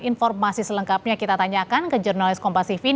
informasi selengkapnya kita tanyakan ke jurnalis kompasifik